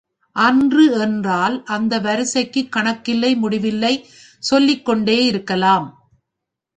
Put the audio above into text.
அன்று என்றால் அந்த வரிசைக்குக் கணக்கில்லை முடிவில்லை சொல்லிக்கொண்டே இருக்கலாம்.